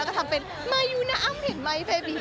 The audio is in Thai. แล้วก็ทำเป็นมายูนะอ้ำเห็นไหมเบบี